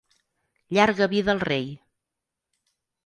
Llarga vida al rei!